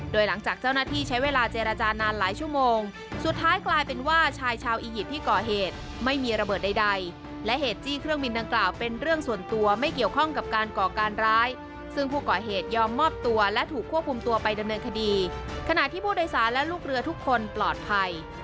โดยหลังจากเจ้าหน้าที่ใช้เวลาเจรจานานหลายชั่วโมงสุดท้ายกลายเป็นว่าชายชาวอียิปต์ที่ก่อเหตุไม่มีระเบิดใดและเหตุจี้เครื่องบินดังกล่าวเป็นเรื่องส่วนตัวไม่เกี่ยวข้องกับการก่อการร้ายซึ่งผู้ก่อเหตุยอมมอบตัวและถูกควบคุมตัวไปดำเนินคดีขณะที่ผู้โดยสารและลูกเรือทุกคนปลอดภัย